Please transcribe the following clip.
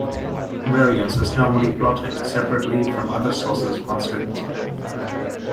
Variance is normally plotted separately from other sources of uncertainty.